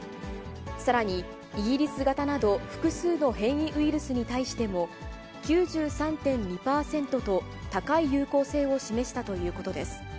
さらに、イギリス型など複数の変異ウイルスに対しても、９３．２％と高い有効性を示したということです。